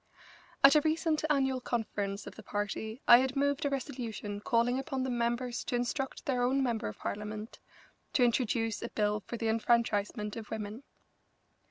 At a recent annual conference of the party I had moved a resolution calling upon the members to instruct their own member of Parliament to introduce a bill for the enfranchisement of women.